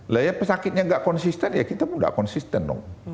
layar pesakitnya gak konsisten ya kita pun gak konsisten dong